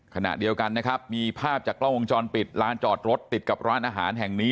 ขณะเดียวกันนะครับมีภาพจากกล้องวงจรปิดร้านจอดรถติดกับร้านอาหารแห่งนี้